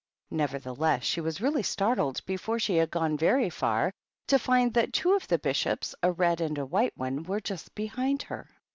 Nevertheless, she was really startled before she had gone very far to find that two of the Bishops, a Red and a White one, were just behind her.